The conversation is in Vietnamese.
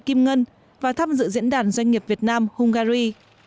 chủ tịch kim ngân và tham dự diễn đàn doanh nghiệp việt nam hungary